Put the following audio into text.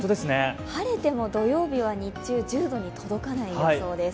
晴れても土曜日は日中１０度に届かない予想です。